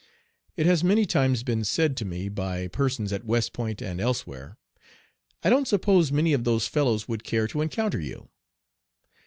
It has many times been said to me by persons at West Point and elsewhere: "I don't suppose many of those fellows would care to encounter you?"